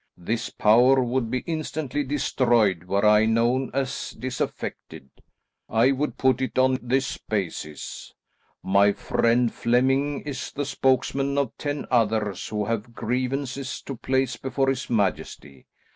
This power would be instantly destroyed were I known as disaffected. I would put it on this basis. My friend, Flemming, is the spokesman of ten others who have grievances to place before his majesty.